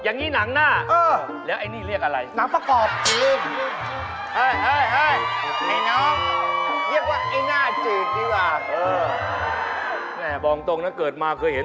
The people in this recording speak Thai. นี่ตำแหน่งใหญ่โตขนาดนั้นยังไม่เห็น